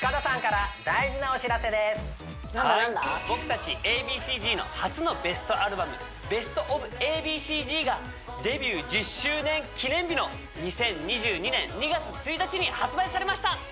僕達Ａ．Ｂ．Ｃ−Ｚの初のベストアルバム「ＢＥＳＴＯＦＡ．Ｂ．Ｃ−Ｚ」がデビュー１０周年記念日の２０２２年２月１日に発売されました！